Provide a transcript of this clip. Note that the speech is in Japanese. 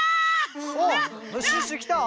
あっシュッシュきた！